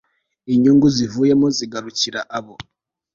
inyungu zivuyemo zigarukira abo